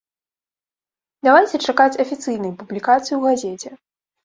Давайце чакаць афіцыйнай публікацыі ў газеце.